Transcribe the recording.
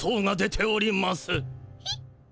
えっ？